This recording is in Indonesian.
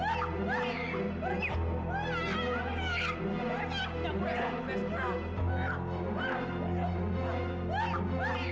aku tak boleh